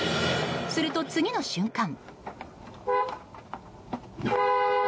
すると、次の瞬間。